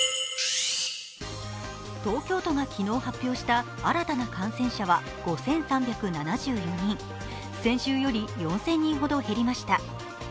東京都が昨日発表した新たな感染者は５３７４人、先週より４０００人ほど減りました。